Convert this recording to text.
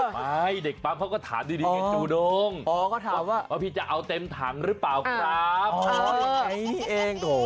ไม่เด็กปั๊บเขาก็ถามดีไงจูน้องว่าพี่จะเอาเต็มถังหรือเปล่ากันครับ